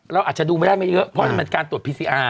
เราอาจจะดูไม่ได้ไม่เยอะเพราะนั่นมันการตรวจพีซีอาร์